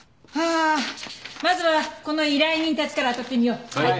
あまずはこの依頼人たちから当たってみよう。